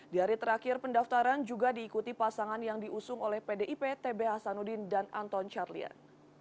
di hari terakhir pendaftaran juga diikuti pasangan yang diusung oleh pdip t b hasanudin dan anton carliat